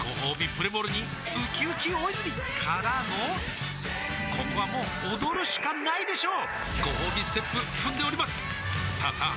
プレモルにうきうき大泉からのここはもう踊るしかないでしょうごほうびステップ踏んでおりますさあさあ